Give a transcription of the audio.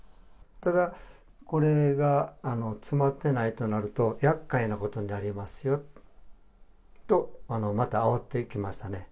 ただ、これが詰まってないとなると、厄介なことになりますよと、またあおってきましたね。